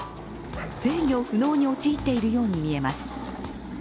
制御不能に陥っているように見えます。